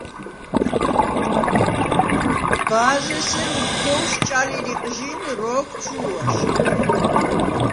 ბა̄ზ’ ესერ უფგოვშ ჭალი რიყჟი̄ნ როგვ ჩუ̄ვ აშიდხ.